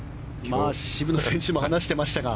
渋野選手も話してましたが。